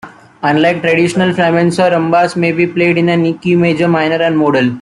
Unlike traditional flamenco, rumbas may be played in any key, major, minor and modal.